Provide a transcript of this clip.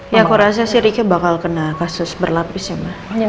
ya aku rasanya sih riki bakal kena kasus berlapis ya mbak